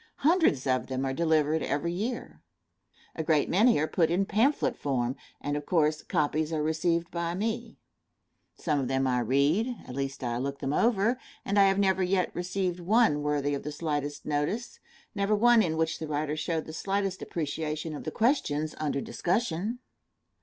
Hundreds of them are delivered every year. A great many are put in pamphlet form, and, of course, copies are received by me. Some of them I read, at least I look them over, and I have never yet received one worthy of the slightest notice, never one in which the writer showed the slightest appreciation of the questions under discussion.